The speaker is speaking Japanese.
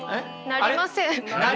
なりません。